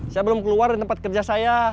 saya belum keluar dari tempat kerja saya